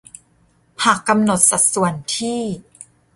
หากกำหนดสัดส่วนที่